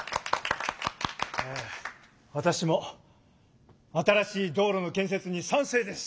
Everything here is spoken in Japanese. えわたしも新しい道路の建設に賛成です！